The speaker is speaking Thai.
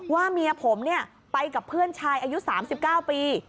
เมียผมไปกับเพื่อนชายอายุ๓๙ปี